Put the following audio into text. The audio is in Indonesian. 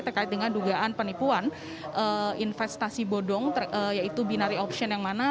terkait dengan dugaan penipuan investasi bodong yaitu binary option yang mana